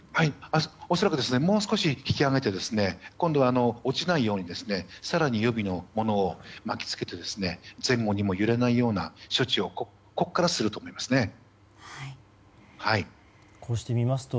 恐らくもう少し引き揚げて今度は、落ちないように更に予備のものを巻き付けて前後にも揺れないような処置をここからすると思いますね。